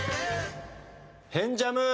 「変ジャム」！